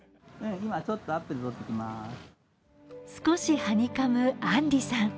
少しはにかむ安理さん。